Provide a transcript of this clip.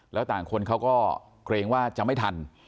แล้วต่างคนเขาก็เกรงว่าจะไม่ทัน